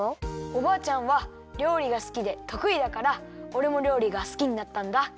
おばあちゃんはりょうりがすきでとくいだからおれもりょうりがすきになったんだ。